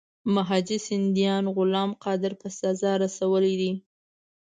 مهاجي سیندیا غلام قادر په سزا رسولی دی.